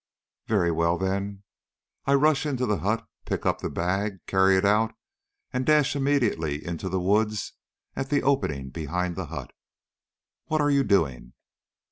"Very well, then; I rush into the hut, pick up the bag, carry it out, and dash immediately into the woods at the opening behind the hut. What are you doing?"